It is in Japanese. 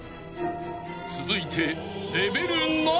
［続いて］